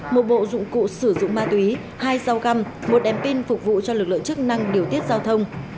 một bộ dụng cụ sử dụng ma túy hai dao găm một đèn pin phục vụ cho lực lượng chức năng điều tiết giao thông